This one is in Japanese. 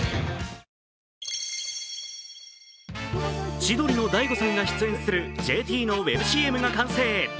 千鳥の大悟さんが出演するＪＴのウェブＣＭが完成